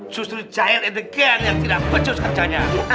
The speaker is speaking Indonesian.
justru jagel and the gang yang tidak becus kerjanya